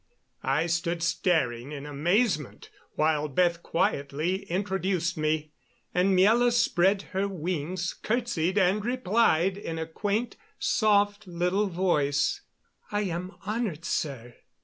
I stood staring in amazement while Beth quietly introduced me. And Miela spread her wings, curtsied, and replied in a quaint, soft little voice: "I am honored, sir."